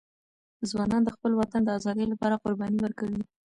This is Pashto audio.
ځوانان د خپل وطن د ازادۍ لپاره قرباني ورکوي.